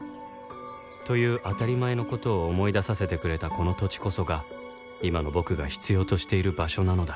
という当たり前の事を思い出させてくれたこの土地こそが今の僕が必要としている場所なのだ